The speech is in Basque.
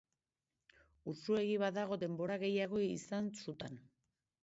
Urtsuegi badago denbora gehiago izan sutan.